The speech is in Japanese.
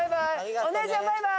お姉ちゃんバイバーイ！